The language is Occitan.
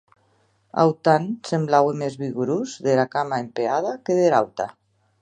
Autanplan semblaue mès vigorós dera cama espeada que dera auta.